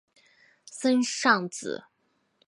森尚子。